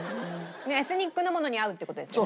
エスニックのものに合うっていう事ですよね？